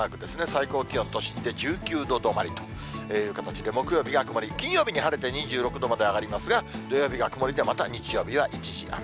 最高気温、都心で１９度止まりという形で、木曜日が曇り、金曜日に晴れて２６度まで上がりますが、土曜日が曇りで、また日曜日は一時雨。